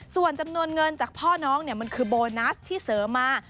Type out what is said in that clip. ส่วนจำนวนเงินจากพ่อน้องมันคือโบนัสที่เสริมมา